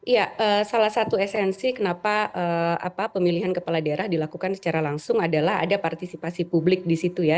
ya salah satu esensi kenapa pemilihan kepala daerah dilakukan secara langsung adalah ada partisipasi publik di situ ya